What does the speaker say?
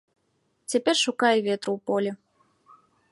Цяпер шукай ветру ў полі.